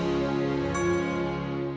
seberapa lama aku di dalam sana